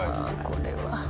これは。